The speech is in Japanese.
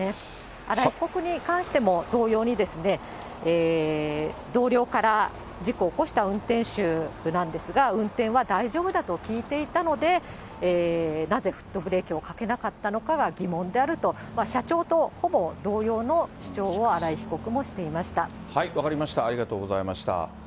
荒井被告に関しても、同様に、同僚から事故を起こした運転手なんですが、運転は大丈夫だと聞いていたので、なぜフットブレーキをかけなかったのかは疑問であると、社長とほぼ同様の主張を、分かりました、ありがとうございました。